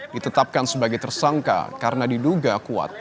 ditetapkan sebagai tersangka karena diduga kuat